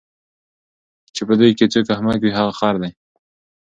چی په دوی کی څوک احمق وي هغه خر دی